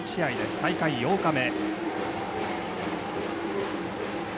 大会８日目。